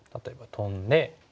トンで。